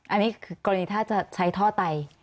อันนี้กรณีถ้าจะใช้ท่อไต